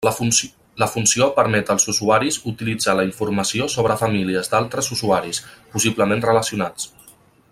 La funció permet als usuaris utilitzar la informació sobre famílies d'altres usuaris, possiblement relacionats.